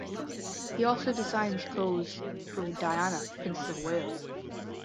He also designed clothes for Diana, Princess of Wales.